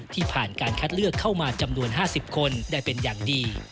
ผ่านการคัดเลือกเข้ามาจำนวน๕๐คนได้เป็นอย่างดี